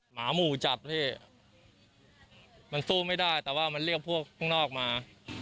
หมาหมู่จับพี่มันสู้ไม่ได้แต่ว่ามันเรียกพวกข้างนอกมา